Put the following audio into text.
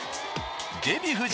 デヴィ夫人